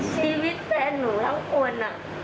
ชีวิตแฟนหนูทั้งคน